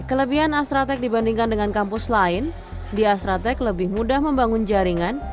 kelebihan astrateg dibandingkan dengan kampus lain di astra tech lebih mudah membangun jaringan